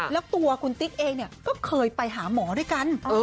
แล้วตัวคุณติ๊กเองเนี่ยก็เคยไปหาหมอด้วยกัน